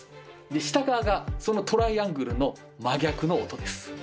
下側がそのトライアングルの真逆の音です。